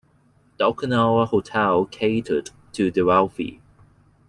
The Ocklawaha Hotel catered to the wealthy.